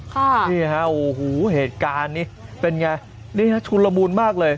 ค่ะนี่ฮะโอ้โหเหตุการณ์นี้เป็นไงนี่นะชุนละมุนมากเลย